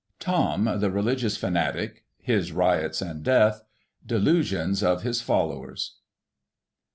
Thorn, the religious fanatic — His riots and death — Delusions of his followers.